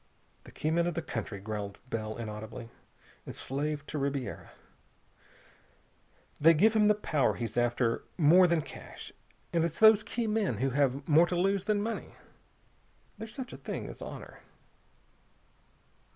"The key men of the country," growled Bell inaudibly, "enslaved to Ribiera. They give him the power he's after more than cash. And it's those key men who have more to lose than money. There's such a thing as honor...."